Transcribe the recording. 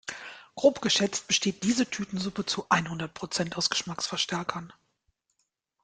Grob geschätzt besteht diese Tütensuppe zu einhundert Prozent aus Geschmacksverstärkern.